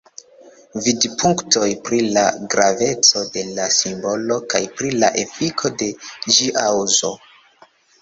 Vidpunktoj pri la graveco de la simbolo kaj pri la efiko de ĝia uzo.